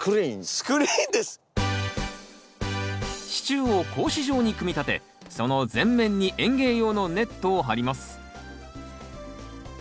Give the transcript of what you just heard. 支柱を格子状に組み立てその全面に園芸用のネットを張ります。